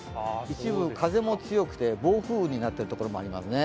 一部風も強くて暴風雨になっているところもありますね。